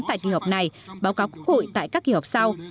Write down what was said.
tại kỳ họp này báo cáo quốc hội tại các kỳ họp sau